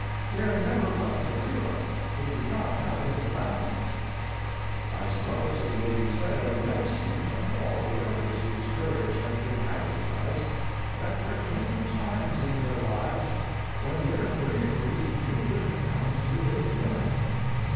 There never was a hero who did not have his bounds. I suppose it may be said of Nelson and all the others whose courage has been advertised that there came times in their lives when their bravery knew it had come to its limit.